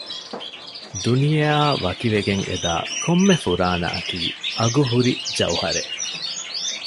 ދުނިޔެއާ ވަކިވެގެން އެ ދާ ކޮންމެ ފުރާނައަކީ އަގު ހުރި ޖައުހަރެއް